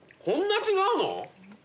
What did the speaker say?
こんな違うの？